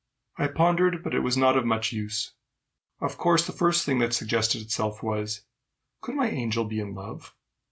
I pondered, but it was not of much use. Of course the first thing that suggested itself was, Could my angel be in love?